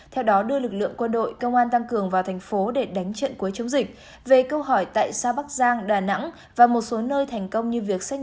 theo đó đưa lực lượng quân đội công an tăng cường vào thành phố để đánh trận cuối chống dịch